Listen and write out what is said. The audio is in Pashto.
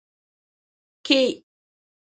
کې